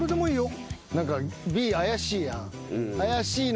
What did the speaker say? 何かＢ怪しいやん。